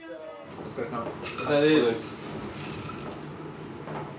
お疲れさまです。